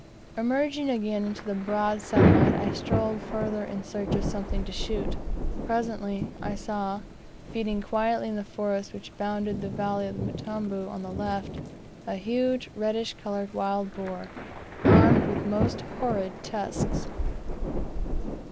Emerging again into the broad sunlight, I strolled further in search of something to shoot. Presently, I saw, feeding quietly in the forest which bounded the valley of the Mtambu on the left, a huge, reddish coloured wild boar, armed with most horrid tusks.